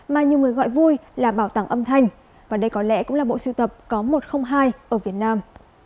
mà nhiều người gọi vui là bảo tàng âm thanh và đây có lẽ cũng là bộ siêu tập có một trăm linh hai ở việt nam